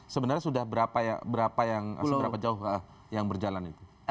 sebenarnya sudah berapa jauh yang berjalan